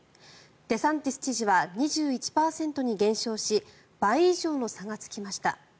デサンティス知事は２１％に減少し倍以上の差がつきました。